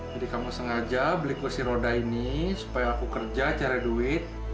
jadi kamu sengaja beli kursi roda ini supaya aku kerja cari duit